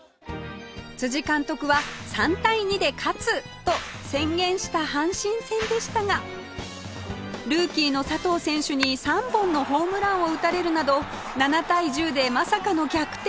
監督は３対２で勝つと宣言した阪神戦でしたがルーキーの佐藤選手に３本のホームランを打たれるなど７対１０でまさかの逆転負け